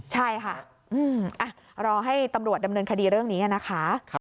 ใช่ค่ะรอให้ตำรวจดำเนินคดีเรื่องนี้นะคะ